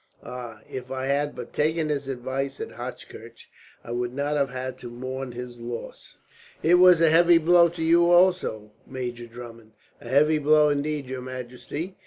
Ah! If I had but taken his advice at Hochkirch, I should not have had to mourn his loss. "It was a heavy blow to you also, Major Drummond." "A heavy blow indeed, your Majesty.